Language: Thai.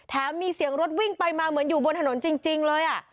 มีเสียงรถวิ่งไปมาเหมือนอยู่บนถนนจริงเลย